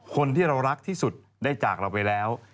คนที่เรารักที่สุดได้จากเราไปแล้ว